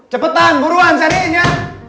cepetan buruan cariin ya